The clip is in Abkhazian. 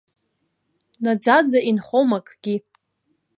Наӡаӡа инхом акгьы.